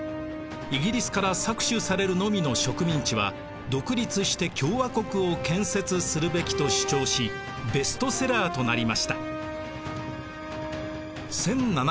イギリスから搾取されるのみの植民地は独立して共和国を建設するべきと主張しベストセラーとなりました。